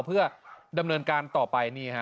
เพื่อดำเนินการต่อไปนี่ฮะ